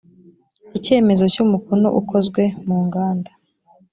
icyemezo cy umukono ukozwe munganda